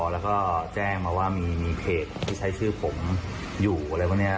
แล้วก็แจ้งมาว่ามีเพจที่ใช้ชื่อผมอยู่อะไรพวกนี้